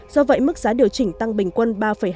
do vậy mức giá điều chỉnh tăng bình quân ba hai